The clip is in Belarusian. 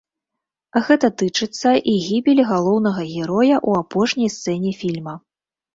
Гэта тычыцца і гібелі галоўнага героя ў апошняй сцэне фільма.